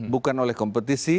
bukan oleh kompetisi